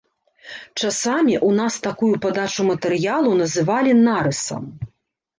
Часамі ў нас такую падачу матэрыялу называлі нарысам.